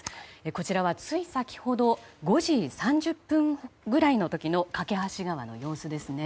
こちらはつい先ほど５時３０分ぐらいの時の梯川の様子ですね。